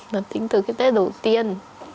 làn tính từ cái tết đầu tiên